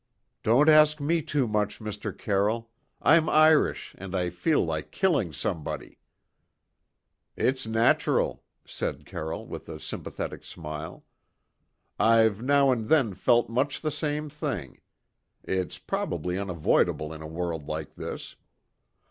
"Don't ask me too much, Mr. Carroll. I'm Irish, and I feel like killing somebody." "It's natural," said Carroll, with a sympathetic smile. "I've now and then felt much the same thing; it's probably unavoidable in a world like this.